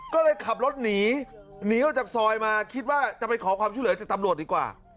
ก็เลยขับรถหนีหนีออกจากซอยมาคิดว่าจะไปขอความช่วยเหลือจากตำรวจดีกว่า